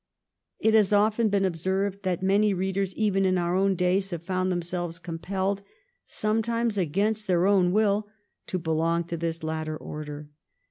It has often been observed that many readers even in our own days have found themselves com pelled, sometimes against their own will, to belong to this latter order.